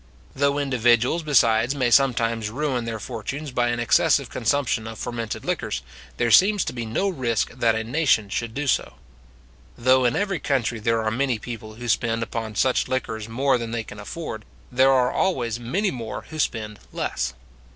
Though individuals, besides, may sometimes ruin their fortunes by an excessive consumption of fermented liquors, there seems to be no risk that a nation should do so. Though in every country there are many people who spend upon such liquors more than they can afford, there are always many more who spend less.